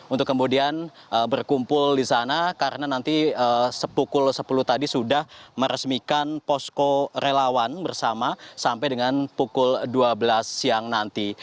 untuk kemudian berkumpul di sana karena nanti sepukul sepuluh tadi sudah meresmikan posko relawan bersama sampai dengan pukul dua belas siang nanti